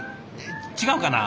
違うかな？